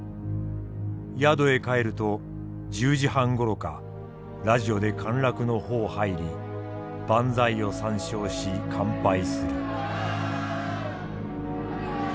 宿へ帰ると１０時半ごろかラジオで陥落の報入り万歳を三唱し乾杯する」。